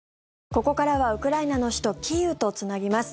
ここからはウクライナの首都キーウとつなぎます。